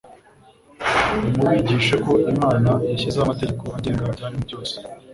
Nimubigishe ko Imana yashyizeho amategeko agenga ibyaremwe byose,